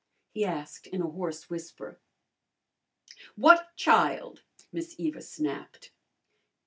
he asked in a hoarse whisper. "What child?" Miss Eva snapped.